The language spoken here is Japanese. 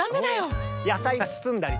野菜包んだり。